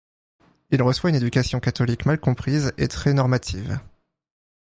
Il reçoit une éducation catholique mal comprise et très normative.